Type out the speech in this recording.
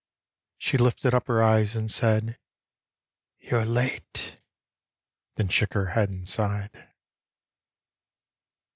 She lifted up her eyes and said, " You're late." Then shook her head and sighed.